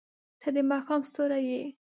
• ته د ماښام ستوری یې.